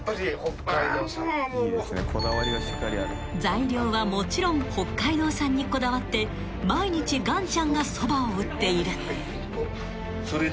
［材料はもちろん北海道産にこだわって毎日がんちゃんがそばを打っている］